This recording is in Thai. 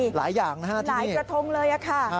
หลายอย่างนะฮะที่นี่หลายกระทงเลยอะค่ะ